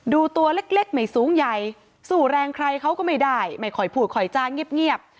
ตัวเล็กไม่สูงใหญ่สู้แรงใครเขาก็ไม่ได้ไม่ค่อยพูดคอยจ้างเงียบ